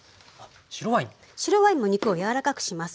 白ワインも肉を柔らかくします。